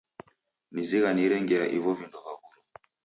Nizighanire ngera ivo vindo vaw'urwa.